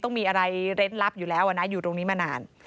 ต้องมีอะไรเล่นลับอยู่แล้วนะอยู่ตรงนี้มานาน